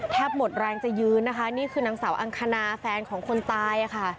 หมดแรงจะยืนนะคะนี่คือนางสาวอังคณาแฟนของคนตายค่ะ